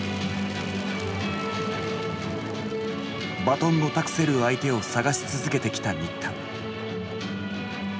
バトンを託せる相手を探し続けてきた新田。